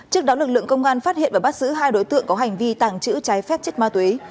trước đó lực lượng công an phát hiện và bắt giữ hai đối tượng có hành vi tàng trữ trái phép chất ma túy